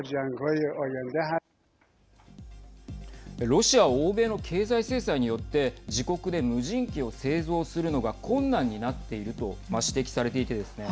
ロシアは欧米の経済制裁によって自国で無人機を製造するのが困難になっていると指摘されていてですね